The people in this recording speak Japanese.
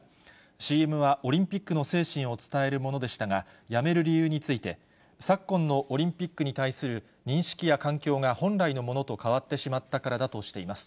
ＣＭはオリンピックの精神を伝えるものでしたが、やめる理由について、昨今のオリンピックに対する認識や環境が、本来のものと変わってしまったからだとしています。